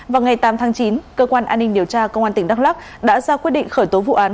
vào ngày tám tháng chín cơ quan an ninh điều tra công an tỉnh đắk lắc đã ra quyết định khởi tố vụ án